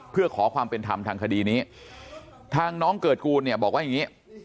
เพื่อขอความเป็นธรรมทางคดีนี้ทางน้องเกิดกูลเนี่ยบอกว่าอย่างนี้